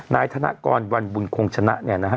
นายธนกรวันบุญคงชนะเนี่ยนะฮะ